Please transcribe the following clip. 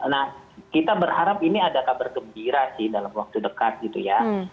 nah kita berharap ini ada kabar gembira sih dalam waktu dekat gitu ya